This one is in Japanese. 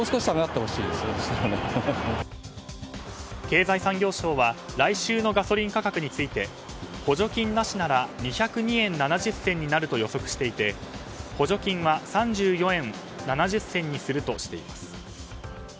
経済産業省は来週のガソリン価格について補助金なしなら２０２円７０銭になると予測していて補助金は３４円７０銭するとしています。